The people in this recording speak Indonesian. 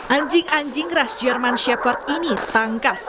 anjing anjing ras jerman shepherd ini tangkas